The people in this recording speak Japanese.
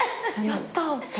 やったぁ。